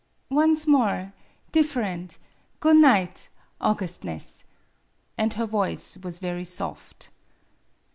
"Once more different goon night, au gustness." And her voice was very soft.